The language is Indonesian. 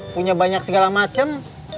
punya banyak segala macem